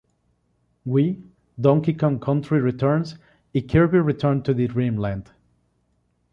Wii", "Donkey Kong Country Returns" y "Kirby's Return to Dream Land".